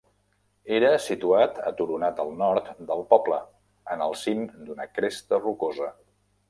Era situat aturonat al nord del poble, en el cim d'una cresta rocosa.